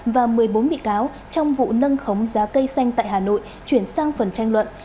và một mươi bốn bị cáo trong vụ nâng khống giá cây xanh tại hà nội chuyển sang phần tranh luận